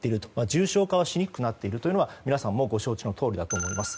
重症化がしにくくなっているというのは皆さんもご承知のとおりだと思います。